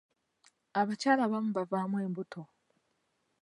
Abakyala abamu bavaamu embuto.